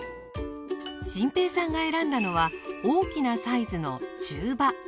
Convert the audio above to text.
心平さんが選んだのは大きなサイズの中羽。